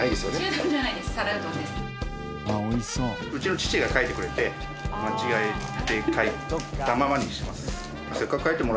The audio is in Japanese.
うちの父が書いてくれて間違えて書いたままにしてます。